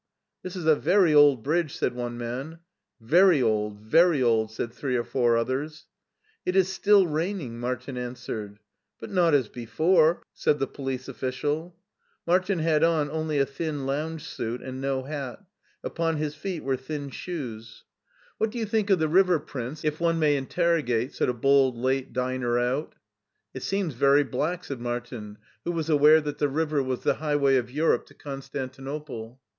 This is a very old bridge," said one man. Very old, very old," said three or four ofliers. It is still raining," Martin answered. " But not as before," said the police official. Martin had on only a thin lounge suit and no hat ; upon his feet were thin shoes. i€ ts 4( a4a MARTIN SCHULER "What do you think of the river. Prince, if one may interrogate ?said a bold late diner out " It seems very black/' said Martin, who was aware that the river was the highway of Europe to Con stantinople.